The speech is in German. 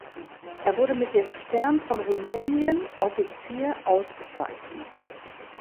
Er wurde mit dem Stern von Rumänien (Offizier) ausgezeichnet.